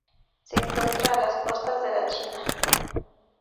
Se encuentran a las costas de la China.